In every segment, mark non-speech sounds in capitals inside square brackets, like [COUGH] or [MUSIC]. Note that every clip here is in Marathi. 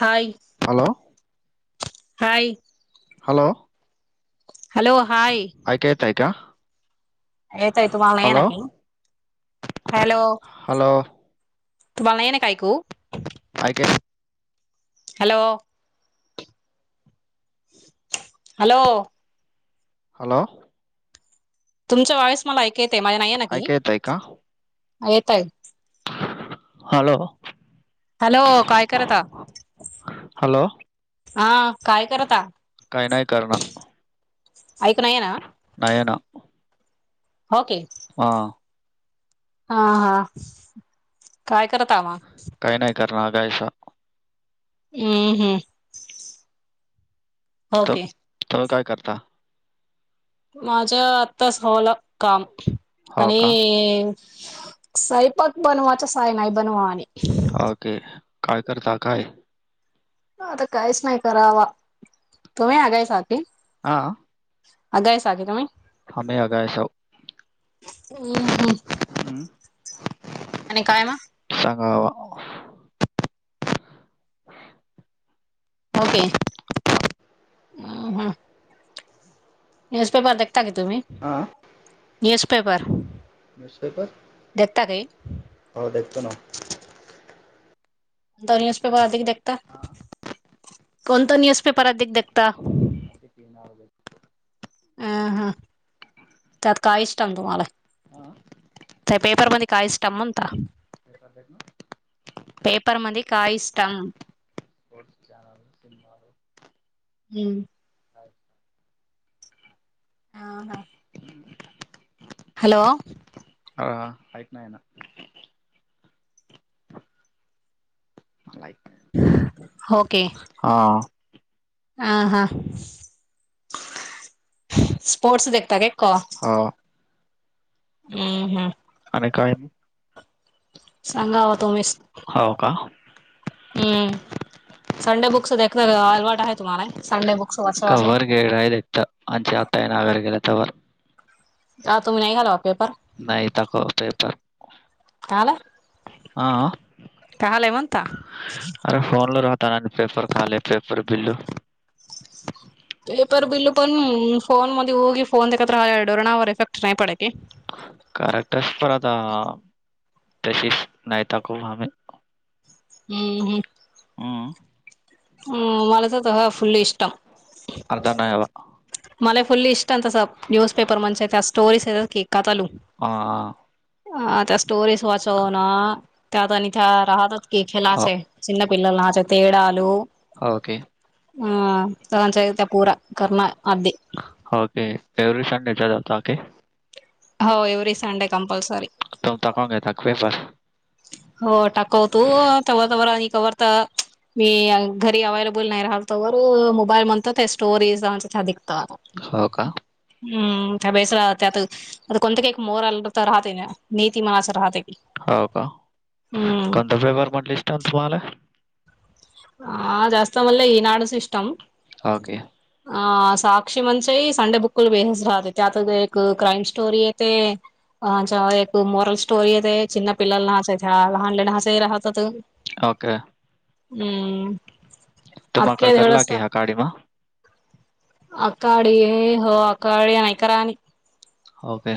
हाय hello hi hello hello hi ऐका येतय का? येताय का तुम्ही हॅलो नक्की नकी हॅलो हॅलो तुम्हाला नाहीय ना कायकू [UNINTELLIGIBLE] का काे [UNINTELLIGIBLE] हॅलो हॅलो हॅलो तुमच्या वॉईस मला ऐकेत आहे माझ्या नाही [UNINTELLIGIBLE] ऐकायला येतं का? येतय. हॅलो हॅलो काय करता. हॅलो हा काय करता काही नाही करणार. ऐक नाही ना नाही ये ना ओके हा हा हा. काय करत आ? काही नाही करणार. हम्म हम्म तर ओके तुम्ही काय करता? माझ्यआत्ताच आवरलं काम हो का स्वयंपाक बनवायचा काही नाही बनवायचं हा ओके काय काय करतात. आता काहीच नाही करायचं तुम्ही तुम्ही आले संग हां अगाय साग त [UNINTELLIGIBLE] हम अगायस [UNINTELLIGIBLE] ह हम हम्म आणि काय म सांगावा ह ओके न्यूज पेपर देता का तुम्ही [UNINTELLIGIBLE] आ न्यूज पेपर न्यूज पेपर देता का? हो देतो ना. द नस पे बधिक देखता [INAUDIBLE] हां कोणता न्यूज पेपर अधिक देखता. न अ हा त्यात काळष्टांग तुम्हाला हा त्या पेपरमध्येध्ये काय म्हणता ते ना [UNINTELLIGIBLE] पपर मामध्ये काय इस्म [UNINTELLIGIBLE] स्पर्ट जाणार तिणार [UNINTELLIGIBLE] हम्म हा ह हम् हॅलो हा ऐक नाही ना ला होके अह हा स्पोर्टस देखता का क हा हम् हम आणिने काय सांगावा तुमच हो का हम्म संडे बुक्स देणार अलवाट आहे तुम्हाला संडे बुक्स वाचव वाचव हे आहे आमच्या आत्ता या नागर गेला त्यावर आा तुम्ही नाही घाल पेपर नाही तक पेपर तला तले म्हंत अरे फोनलाो राता ना पेपर खाली पेपर बिल्लू पेपर बिल पण फोन मध्येेऊगी फोन ते एकत्र डोरणावर इफेक्ट नाही पड की करेक्टस पण आता तशीच नाहीता खूप आम हम्म हम हं हम् मला तर त ह फुल् इष्टम अर्धा नाही हवा मला फुल्ली इष्ट आहे तस न्यूजपेपर म्हणे त्या स्टोरीज क काातलू ह ह ह त्या स्टोरेज वाचव ना त्यात आणि त्या राहतच एकके लाच हो चन पिल्लला लाच तेडू ओके हम तलानचालत पूरा करर्मा अधदी ओके एव्हरी संडे च होता ओके हो एवरी सडे कमपलसरी तुम तक घे तक वेपर हो टाकवतू तवर तवर आणि कवररता मी घरी अवलेबल नाही राहलतो व मोबाईल म्हणतो ते स्टोरीजच्या छ दिघत होका हम्म त्या बेसर आता कोणत कायक मोरलत राहते ना नीती माना अस राहते क हो का कोणता पेपर म्हटलंसान तुम्हाला ह जास्त मले ह नाडच इस्म ओके. अ साक्षी मनचे. [UNINTELLIGIBLE] ओके. हम्म. अखे एवढ [UNINTELLIGIBLE] [UNINTELLIGIBLE] हो काे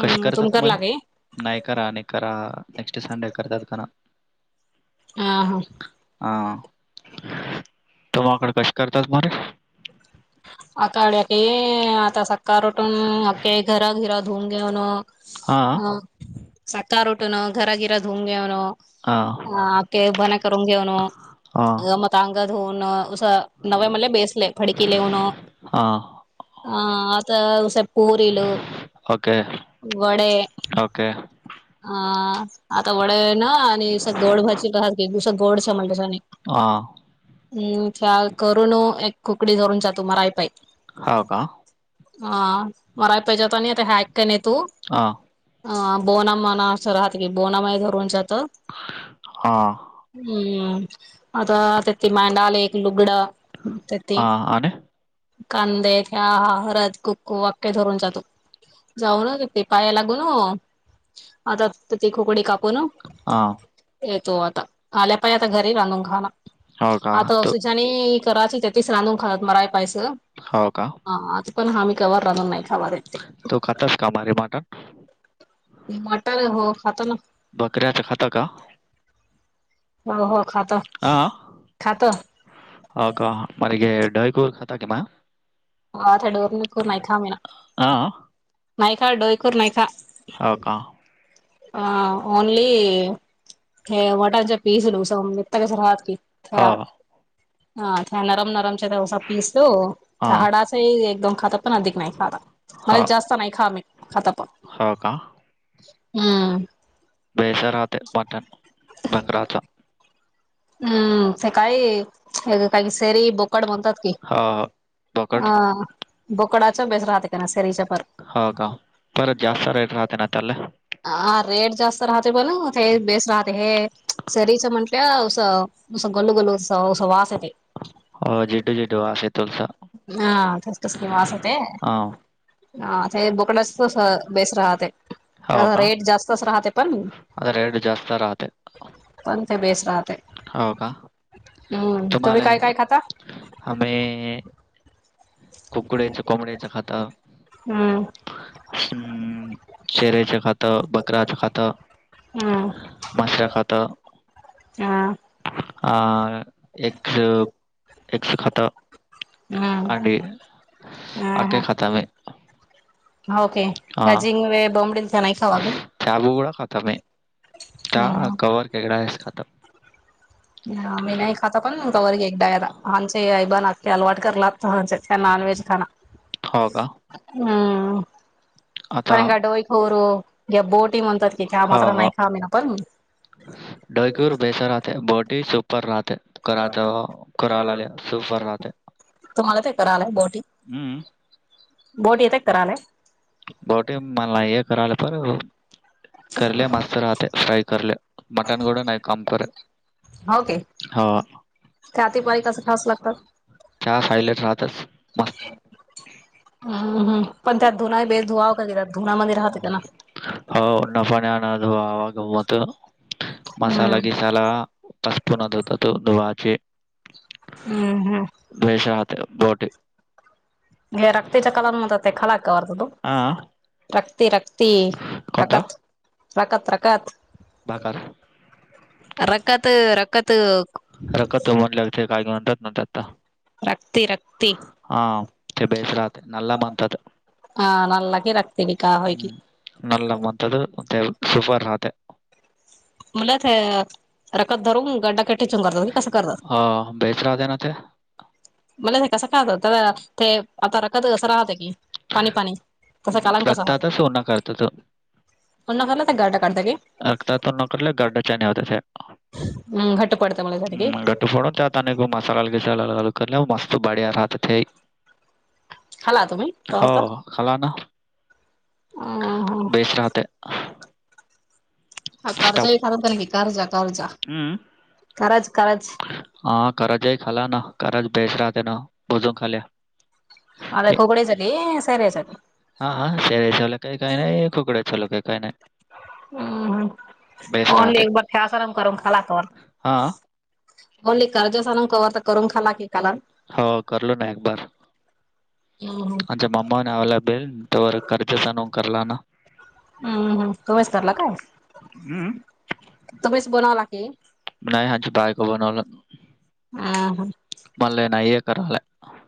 कशी करतात तुमकर तुमारी. लागे नाही करा नाही करा नेक्स्ट संडे करतात का. आ हा हा तमकडे कसे करतात मर अकाड आता सका रोटून अके घरा घिरा धुऊन घेऊन. हा अ सकाार उटन घर गिरा धुंग्यावनो हां हा [UNINTELLIGIBLE] [UNINTELLIGIBLE] हा. ह आता. पोरील ओके वडे ओके. [UNINTELLIGIBLE] आणि गोड भाजी पाहाती दुस गोड समलसाने. हा हम्म त्या करून एक खुकडी धरून ज तू मारय पाई. हो का. हा मरा पाहिजे होता आणि आता हॅक का नाही तू. हां. अ बोनामणा असं राहत की बोनामाही धरून जात. हा. हम्म आता त्या ते मांडाले एक लुगडं. ह ते आर. कांदे ह हा हरद कुक्कू वाक्य धरून जातो. जाऊनच ते पाया लागून. आता ती खोकडी कापू ना. हां. येतो आता आल्या पाहि आता घरी रा आणून खाण हो का तू आताज आणि कराच त्या तेच राांधून खातात मलाय पायसं हो का. हा आता पण हमी कावार रानून नाही खवार येते. तू कतास कामाारी म. मटर हो आता ना. बकऱ्याचं खातं का. हो हो खातो हा खातो का मला ग. कोर खाता केमा. आ दोणी खर नायका म हा नायका दो खर नायका. हो का अह ओनली. हे वटर पीस लू सता कस राहात की. हो हा [UNINTELLIGIBLE] एकदम खाता पण अधिक नाही खात मला हो जास्त नाही खा मी खाता पण. हो का हम्म. बेसराात मटन बक्रचा हम्म ते काय हे काही शेरी बोकड बनतात हो हो. बोकड ह बोकडाच बेस राहत का ना सरीच्यापार हो का परत जास्त रेट राहते ना त्याला हा रेट जास्त राहते बण ते बेस राहते हे सरीच म्हंटलं स गल् गल्ल सस वासते हो जेडू जेडू आ स तोलस हा तस् स कि वासते हां. हा ते बोकड्याच बेस राहते रेट जास्तच राहते पण. आ्रेड जास्त तराह. पणथ बेस राहात. हो का? हम्म तुम्ही तुम्हाला काय काय खाता. [UNINTELLIGIBLE] हम्म चेहरेचा खाता बकरया चा खाता हम्म माशरा खाता. हम. अ एक एकश खाता. हम् हम् आखे हम. खाता मी. [UNINTELLIGIBLE] चाबू क खातम आहे चहा कववर केगडा आहेस खातम. मी नाही खाताकण इकववर ए एकगडायदा हंचे अई बाबा नाक्की अलवाट करलां नानवज खा. [INAUDIBLE] हम्म आता पंगडेोय खर. या बोटी म्हणतात कि ख्या हो, मात्र हो. नाही खा म ना पण ते बोटी सुपर राहते कराात कराला लि सुपर राहते. तुम्हाला ते करालाय बोटी हम्. बोट येते कराले. बोटी मनलाे कले पर करले मस्त राहते फ्राई करले. मटन क ना कामपर होके त्या हतीपारी कस ठास लागतात. च फयलेट राहतच मस्त. हम्मम पण त्यात धुना बेस धुवावं का कि त्यात धुनामध्येध्ये राहते त्याना हो न पाणी आण आवा गमत मसाला हम्म गसाला कष्ट नातात द वाचेे हम्म हम्म द्वेषहात बोट. हे रक्तीच्या कलान म ते खलाक वरत हां. रक्ती रक्ती कोणता? प्रकत रकत रकत भाकर. रखत रखत तो म्हन ला काय म्हातता. रक्ती रक्ती हा ते बेस राहते नला बणतात. हा न लागे राखते क काय की नलमंत सूपर राहते. मला ते रखत धरून गड्डाक टेचून करतात की कसं अ, करतात. बेस रा दे ना ते. मला कसं खात तर ते आता रखत कसं राहतं की पाणी पाणी तसं कालान कसा लगताात होत सोना करता त पुन्हा खाला तर घट काढत की रखता त नकले गरडाच्या होता. हम घट्ट पडत मला जी नेक मसाला घसाला लालग करले मस्त बढिया राहात. खाला तुम्ही? हो तवरता खला ना बेच राहते. हा स्टफ कर्जाही खरत नी कर्जा कर्जा हम्म कराज कराज हा खरा जाई खाला ना खराच बेस राहते ना बोजून खालील्या. म खुगड सरी सैर सरी हा हा शेरे चला कायही काय नाही खुकड चल क काही काय नाही. हम्म बेस हम्म न एक बार खळास आराम कर खाकव हां. ओली कर्ज सनून कव तर करून खाला की काला हो करलो ना एक बार हो. त्यांच्या माममा नवला पर कर्जच न करला नाम हम्म तुम्हीच करला तमस बनवला की नाही हज बायक बनवला ह ह मला नये कराले आहे.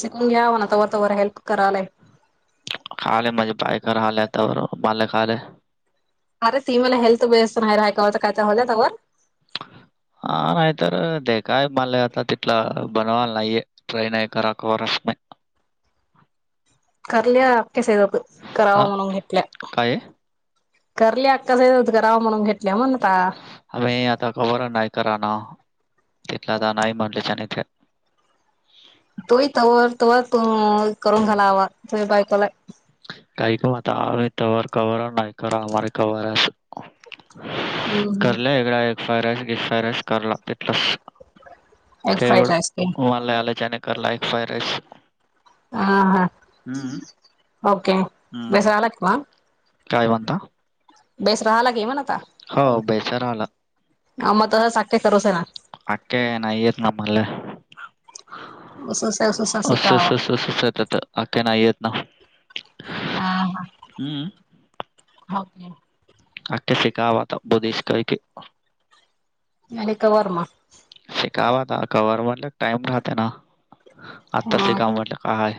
शिकून घ्या म्ह ना त तवर हेल्प करालाय. कालेय माझे बायक आलं आता मलाय का आलं. अरे ती मला हेल्थ बेस्ट नाही राहायकां कायचाल त्यावर हा नाही तरर दे कााय मले आता तिथला बनवाल नाहीये ट्रेन आहे करा अक वारस नाही कर्ल अक्या सात करावा हा म्हणून गटल्या काय आहे? करली अक्कास गराव म्हणून घेतल्या म्हण का आ आता खबर नाही कराना तिथला आता नाही म्हंटलेने तोही तवर त तू करून घाला हवा तो बायकोला काही क मत आम्ही तवर कवर नाही क आमे कवर आहे हम्म करल्या हम्म एगड एक फायरस गि फायरस करला तथलाच एग ते फ्राईड राईस की मला आलेचनेकर लाईक फार रेस ह हा ओके हम्म बेस राहला की मग काय म्हणता बेस राहाला के म्हण आता हो बेचारा आला. अ मग तस साखे सवस आहे ना आमला उससाससासिकावा त काही नाही येत ना हा ह हं. हो आख फेकावाता बुधेश का क अनिक वर्म शिकावा द कवर्ह म्हटलं टाइम राहते ना आता शिका म्हटलं काय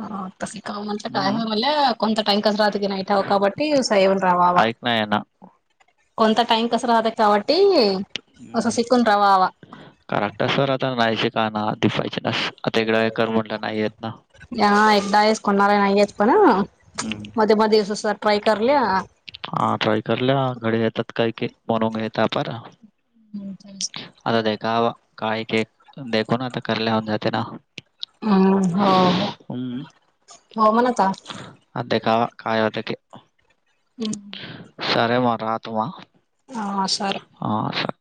ह शिका म्हणलं काय हं. मला कोणता टाइ कस राहत की नाही व काबटी सवड रावावा ऐक नाही आहे ना. कोंत टईम कसं रात काबटी कक्ट सर आता नाहीयचे का ना दिपायचे न तेगं कर म्हटलं नाहीय या एकदाास कोणा नाहीय येतच पण हं. मध्ये मध्ये दिवस ट्रय करली हा ट्राय करल्या घरी येतात काही बन येत पार ह् आता दे का काळी के देखो ना आता कल्या होन जाते ना हम्म हो हो म्हणाता अध कावा कायधक हम् सरे मा राहत मा हा सर हां सर